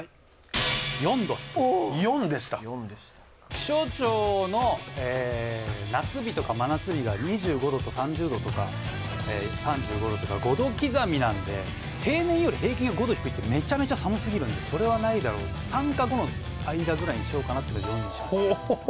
気象庁の夏日とか真夏日が２５℃と３０℃とか３５℃とか５℃刻みなんで平年より平均が５℃低いってめちゃめちゃ寒すぎるんでそれはないだろう３か５の間ぐらいにしようかなって４にしました。